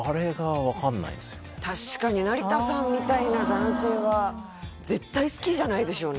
確かに成田さんみたいな男性は絶対好きじゃないでしょうね